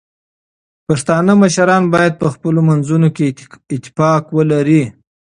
پښتانه مشران باید په خپلو منځونو کې اتفاق ولري.